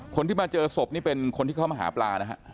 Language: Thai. คนที่มาเจอศพนี่เป็นคนที่เข้ามาหาปลานะฮะ